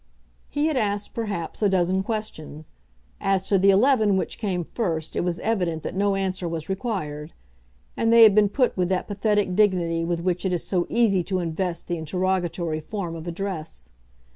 He had asked perhaps a dozen questions. As to the eleven which came first it was evident that no answer was required; and they had been put with that pathetic dignity with which it is so easy to invest the interrogatory form of address.